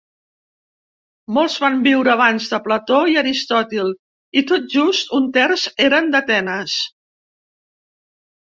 Molts van viure abans de Plató i Aristòtil, i tot just un terç eren d'Atenes.